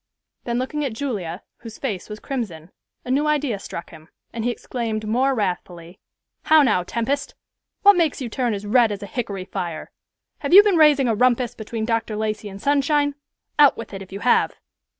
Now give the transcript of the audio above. Then looking at Julia, whose face was crimson, a new idea struck him, and he exclaimed more wrathfully, "How now, Tempest? What makes you turn as red as a hickory fire? Have you been raising a rumpus between Dr. Lacey and Sunshine? Out with it if you have."